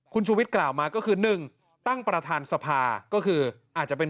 คุณชูวิทย์กล่าวมาก็คือ๑ตั้งประธานสภาก็คืออาจจะเป็น